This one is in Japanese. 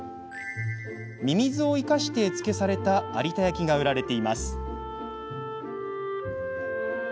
ミミズを生かして絵付けされた有田焼が売られています。